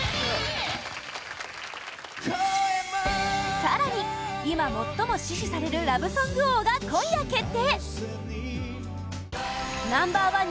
更に、今最も支持されるラブソング王が今夜決定